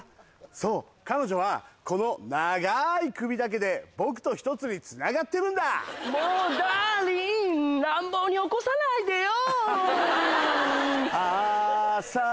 そう彼女はこの長い首だけで僕と一つにつながってるんだもうダーリン乱暴に起こさないでよ